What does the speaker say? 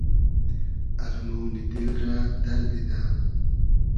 ارمۉنی دیل رۂ دئر دیدۂ